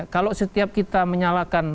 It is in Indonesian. kalau setiap kita menyalakan